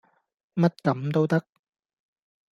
乜咁都得